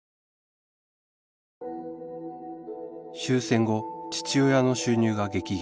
終戦後父親の収入が激減